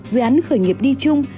dự án khởi nghiệp đi chung